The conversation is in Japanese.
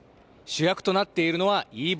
主役となっているのは、ＥＶ。